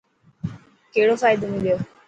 ڪهڙو فائدو مليو؟